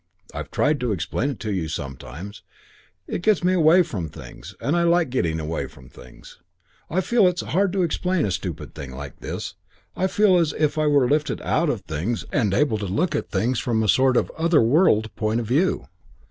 I've tried to explain to you sometimes. It gets me away from things, and I like getting away from things. I feel it's hard to explain a stupid thing like this I feel as if I were lifted out of things and able to look at things from a sort of other world point of view.